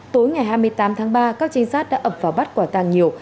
tối ngày hai mươi tám tháng ba các trinh sát đã ập vào bắt quả tàng nhiều